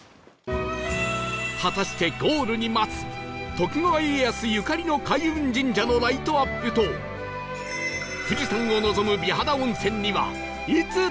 果たしてゴールに待つ徳川家康ゆかりの開運神社のライトアップと富士山を望む美肌温泉にはいつたどり着けるのか？